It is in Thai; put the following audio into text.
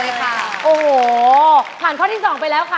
โอ้โหผ่านข้อที่๒ไปแล้วค่ะ